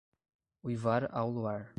Uivar ao luar